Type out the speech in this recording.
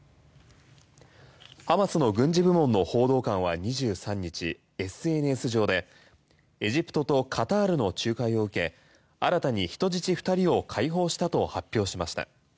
ハマスの軍事部門の報道官は２３日ＳＮＳ上でエジプトとカタールの仲介を受け新たに人質２人を解放したと発表しました。